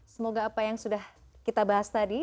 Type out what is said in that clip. semoga apa yang sudah kita bahas tadi